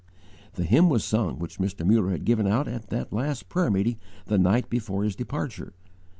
The hymn was sung which Mr. Muller had given out at that last prayer meeting the night before his departure.